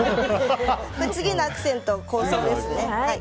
次のアクセントの構想ですね。